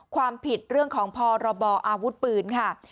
ความผิดเรื่องของพรบอาวุธปืนค่ะ